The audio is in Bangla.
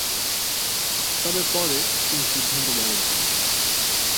তবে পরে তিনি সিদ্ধান্ত বদল করেন।